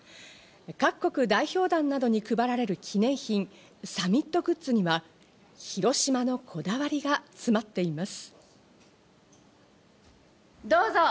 各国代表団などに配られる記念品サミットグッズには広島のこだわりが詰まっています。